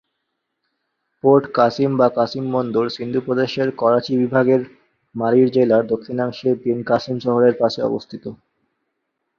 Port Qasim বা কাসিম বন্দর, সিন্ধু প্রদেশের করাচি বিভাগের মালির জেলার দক্ষিণাংশে বিন কাসিম শহরের পাশে অবস্থিত।